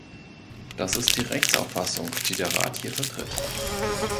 Das ist die Rechtsauffassung, die der Rat hier vertritt.